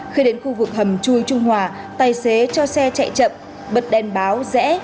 khi đến khu vực hầm chui trung hòa tài xế cho xe chạy chậm bật đèn báo rẽ